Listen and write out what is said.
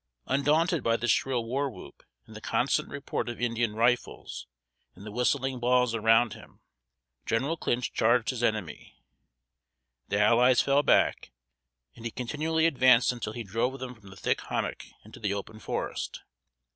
Undaunted by the shrill war whoop, and the constant report of Indian rifles and the whistling balls around him, General Clinch charged his enemy. The allies fell back, and he continually advanced until he drove them from the thick hommock into the open forest.